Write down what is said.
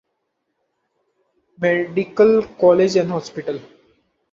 Medical College and Hospital.